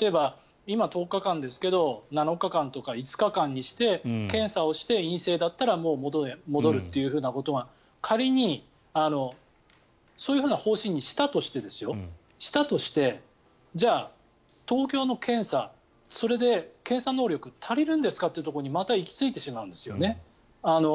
例えば、今１０日間ですけど７日間とか５日間にして検査をして陰性だったら戻るということが仮にそういう方針にしたとしてじゃあ、東京の検査それで検査能力が足りるんですかというところにまた行き着いてしまうんですよね。